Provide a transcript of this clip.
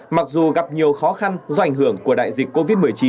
mặc dù gặp nhiều khó khăn do ảnh hưởng của đại dịch covid một mươi chín